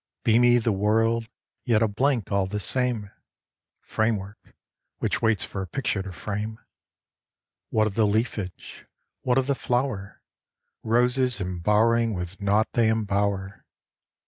Beamy the world, yet a blank all the same, Framework which waits for a picture to frame: What of the leafage, what of the flower? Roses embowering with naught they embower!